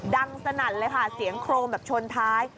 สนั่นเลยค่ะเสียงโครมแบบชนท้าย